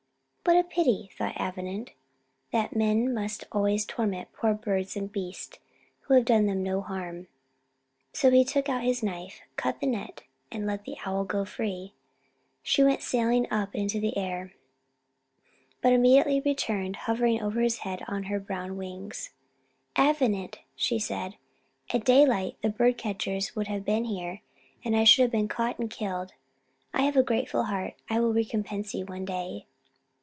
"What a pity," thought Avenant, "that men must always torment poor birds and beasts who have done them no harm!" So he took out his knife, cut the net, and let the owl go free. She went sailing up into the air, but immediately returned hovering over his head on her brown wings. "Avenant," said she, "at daylight the birdcatchers would have been here, and I should have been caught and killed. I have a grateful heart; I will recompense you one day."